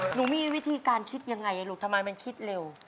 หนูมีวิธีการคิดยังไงลูกทำไมมันคิดเร็ว